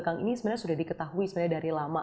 kang ini sebenarnya sudah diketahui sebenarnya dari lama